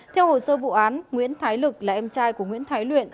theo hồ sơ vụ án nguyễn thái lực là em trai của nguyễn thái luyện